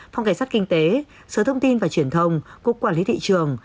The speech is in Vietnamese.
phòng kẻ sát kinh tế sở thông tin và truyền thông quốc quản lý thị trường